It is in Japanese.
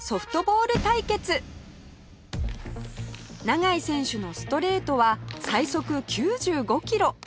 永井選手のストレートは最速９５キロ